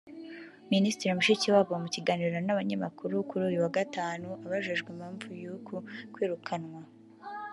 Minisitiri Mushikiwabo mu kiganiro n’abanyamakuru kuru uyu wa Gatanu abajijwe impamvu y’uku kwirukanwa